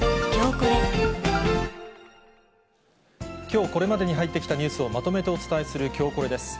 きょう、これまでに入ってきたニュースをまとめてお伝えするきょうコレです。